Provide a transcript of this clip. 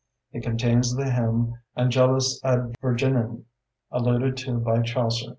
It contains the hymn, "Angelus ad Virginem", alluded to by Chaucer.